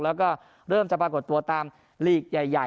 แล้วก็เริ่มจะปรากฏตัวตามลีกใหญ่